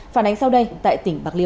phản ánh sau đây tại tỉnh bạc liêu